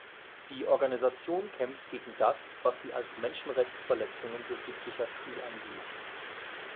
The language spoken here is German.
Die Organisation kämpft gegen das, was sie als Menschenrechtsverletzungen durch die Psychiatrie ansieht.